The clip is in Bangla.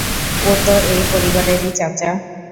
ও তো এই পরিবারেরই, চাচা!